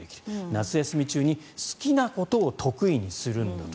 夏休み中に好きなことを得意にするんだと。